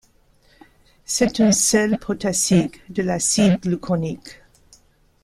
C'est un sel potassique de l'acide gluconique.